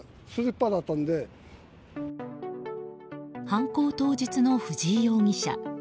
犯行当日の藤井容疑者。